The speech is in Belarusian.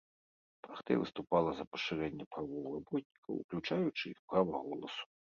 Партыя выступала за пашырэнне правоў работнікаў, уключаючы іх права голасу.